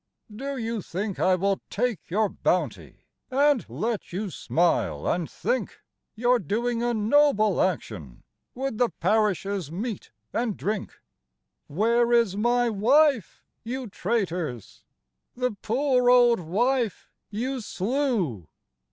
" Do you think I will take your bounty, And let you smile and think You 're doing a noble action With the parish's meat and drink ? Where is my wife, you traitors — The poor old wife you slew